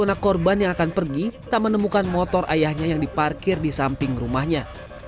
anak korban yang akan pergi tak menemukan motor ayahnya yang diparkir di samping rumahnya